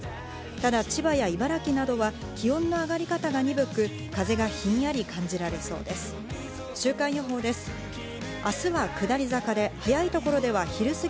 ただ千葉や茨城などは気温の上がり方が鈍く風がひんやり感じられそうです。